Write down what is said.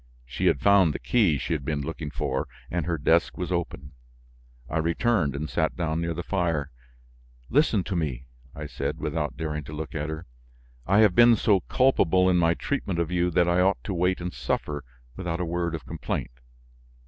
She had found the key she had been looking for and her desk was open. I returned and sat down near the fire. "Listen to me," I said without daring to look at her; "I have been so culpable in my treatment of you that I ought to wait and suffer without a word of complaint.